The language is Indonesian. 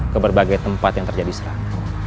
ke berbagai tempat yang terjadi serang